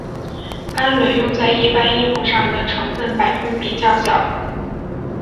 氨纶用在一般衣服上的成分百分比较小。